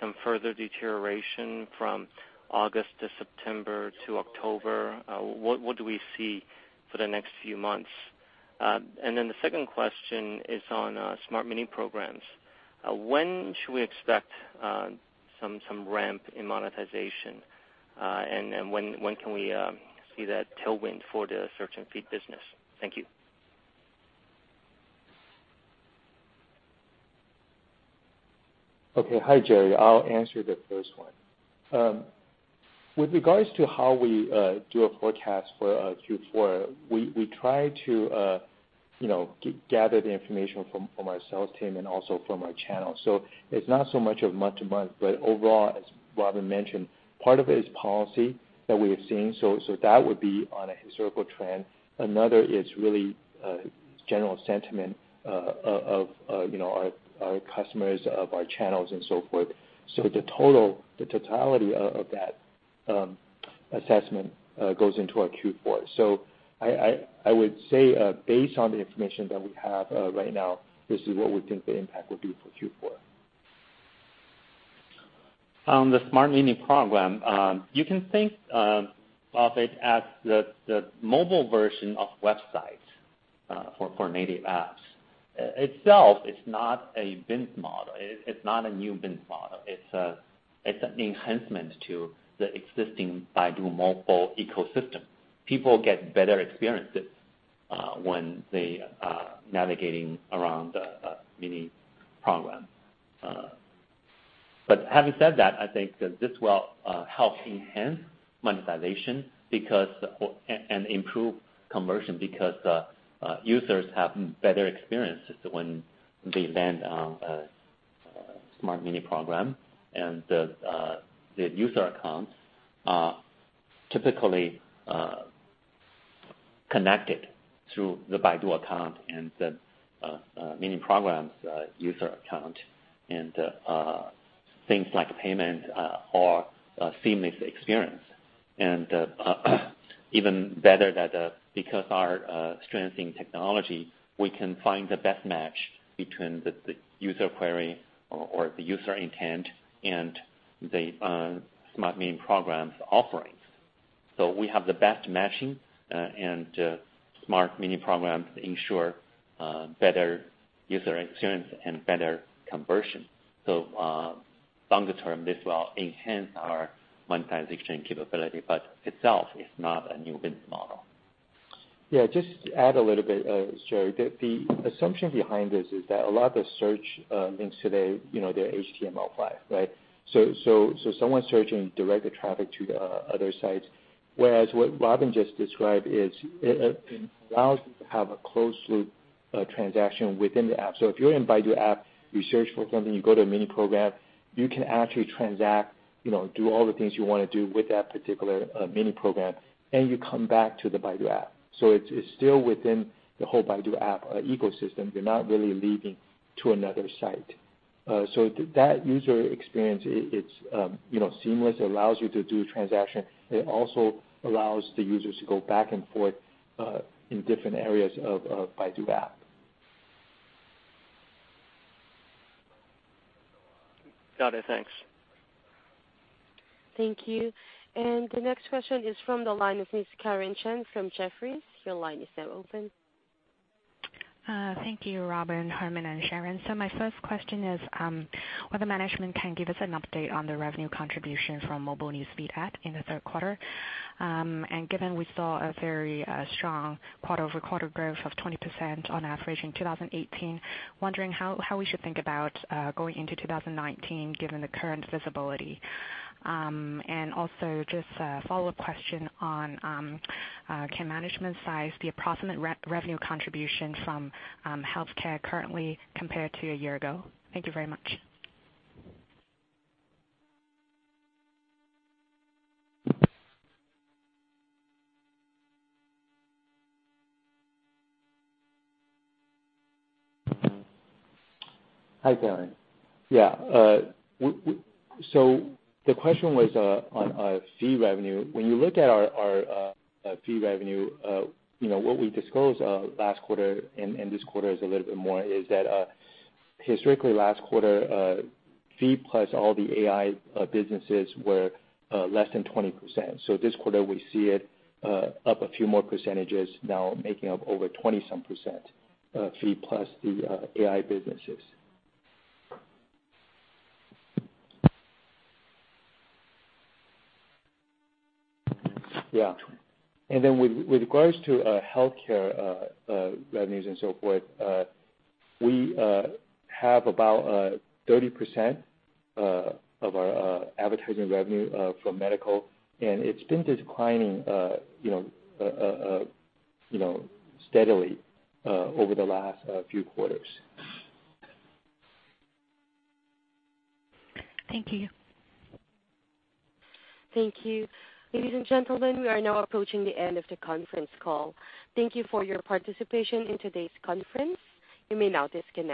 some further deterioration from August to September to October? What do we see for the next few months? The second question is on Smart Mini Programs. When should we expect some ramp in monetization? When can we see that tailwind for the search and feed business? Thank you. Okay. Hi, Jerry. I'll answer the first one. With regards to how we do a forecast for Q4, we try to gather the information from our sales team and also from our channel. It's not so much of month-to-month, but overall, as Robin mentioned, part of it is policy that we are seeing. That would be on a historical trend. Another is really general sentiment of our customers, of our channels and so forth. The totality of that assessment goes into our Q4. I would say based on the information that we have right now, this is what we think the impact will do for Q4. On the Smart Mini Program, you can think of it as the mobile version of websites for native apps. Itself, it's not a new biz model. It's an enhancement to the existing Baidu Mobile ecosystem. People get better experiences when they are navigating around the Smart Mini Program. Having said that, I think that this will help enhance monetization and improve conversion because the users have better experiences when they land on a Smart Mini Program. The user accounts are typically connected through the Baidu account and the Smart Mini Program's user account and things like payment are a seamless experience. Even better that because our strengthening technology, we can find the best match between the user query or the user intent and the Smart Mini Programs offerings. We have the best matching, and Smart Mini Programs ensure better user experience and better conversion. Longer term, this will enhance our monetization capability, but itself is not a new biz model. Just to add a little bit, Jerry. The assumption behind this is that a lot of the search links today, they're HTML5, right? Someone searching direct the traffic to the other sites, whereas what Robin just described is it allows you to have a closed loop transaction within the app. If you're in Baidu App, you search for something, you go to a Smart Mini Program, you can actually transact, do all the things you want to do with that particular Smart Mini Program, and you come back to the Baidu App. It's still within the whole Baidu App ecosystem. You're not really leaving to another site. That user experience, it's seamless. It allows you to do a transaction. It also allows the users to go back and forth, in different areas of Baidu App. Got it. Thanks. Thank you. The next question is from the line of Ms. Karen Chan from Jefferies. Your line is now open. Thank you, Robin, Herman, and Sharon. My first question is, whether management can give us an update on the revenue contribution from mobile newsfeed ad in the third quarter. Given we saw a very strong quarter-over-quarter growth of 20% on average in 2018, wondering how we should think about going into 2019 given the current visibility. Also just a follow-up question on, can management size the approximate revenue contribution from healthcare currently compared to a year ago? Thank you very much. Hi, Karen. Yeah. The question was on feed revenue. When you look at our feed revenue, what we disclosed last quarter and this quarter is a little bit more, is that historically last quarter, feed plus all the AI businesses were less than 20%. This quarter we see it up a few more percentages now making up over 20-some percent, feed plus the AI businesses. Then with regards to healthcare revenues and so forth, we have about 30% of our advertising revenue from medical, and it's been declining steadily over the last few quarters. Thank you. Thank you. Ladies and gentlemen, we are now approaching the end of the conference call. Thank you for your participation in today's conference. You may now disconnect.